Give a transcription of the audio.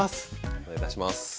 お願いいたします。